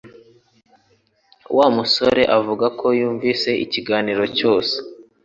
Wa musore avuga ko yumvise ikiganiro cyose